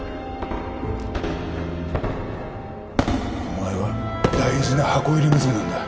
お前は大事な箱入り娘なんだ。